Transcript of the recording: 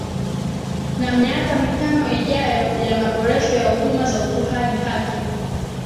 Ni miaka mitano ijayo ya maboresho ya huduma za utoaji haki